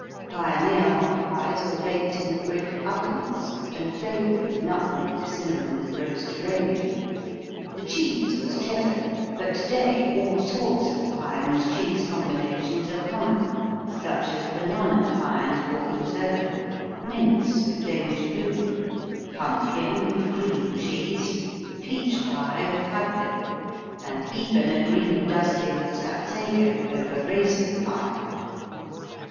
Pioneer hot pies were baked in brick ovens and flavored with nutmeg, cinnamon and rose geranium. The cheese was Cheddar, but today all sorts of pie and cheese combinations are common, such as banana pie and Gorgonzola, mince with Danish Blue, pumpkin with cream cheese, peach pie with Hablé, and even a green dusting of Sapsago over raisin pie.